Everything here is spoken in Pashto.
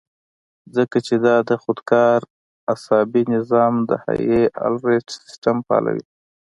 ځکه چې دا د خودکار اعصابي نظام د هائي الرټ سسټم فعالوي